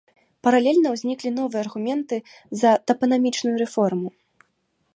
Паралельна ўзніклі новыя аргументы за тапанімічную рэформу.